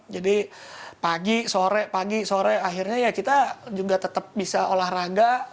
jadi pagi sore pagi sore akhirnya ya kita juga tetap bisa olahraga